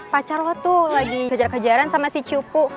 pacar lo tuh lagi kejar kejaran sama si cupu